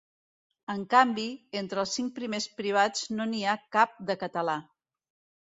En canvi, entre els cinc primers privats no n’hi ha cap de català.